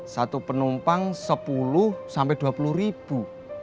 satu penumpang sepuluh sampai dua puluh ribu